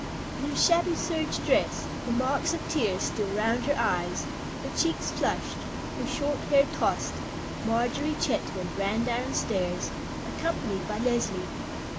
In her shabby serge dress, the marks of tears still round her eyes, her cheeks flushed, her short hair tossed, Marjorie Chetwynd ran downstairs, accompanied by Leslie.